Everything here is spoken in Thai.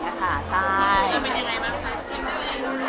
ใช่แล้วเป็นยังไงบ้างค่ะ